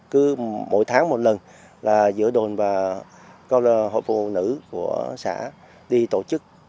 cứ mỗi tháng một lần là giữa đồn và công lạc hội phụ nữ của xã đi tổ chức